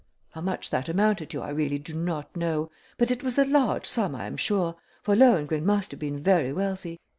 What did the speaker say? How much that amounted to I really do not know, but that it was a large sum I am sure, for Lohengrin must have been very wealthy.